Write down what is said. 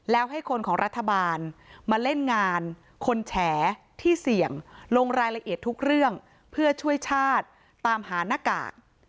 แล้วให้คนของรัฐบาลมาเล่นงานคนแฉที่เสี่ยงลงรายละเอียดทุกเรื่องเพื่อช่วยชาติตามหาหน้ากาก